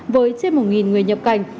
với trên một người nhập cảnh